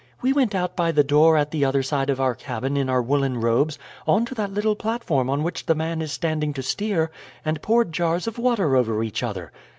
"We went out by the door at the other side of our cabin in our woollen robes, on to that little platform on which the man is standing to steer, and poured jars of water over each other."